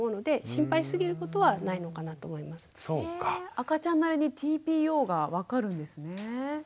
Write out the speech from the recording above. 赤ちゃんなりにＴＰＯが分かるんですね。